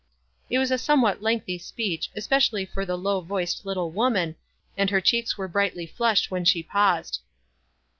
It was a somewhat lengthy speech, especially for the low voiced little woman, and Her cheens were brightly flushed when she paused.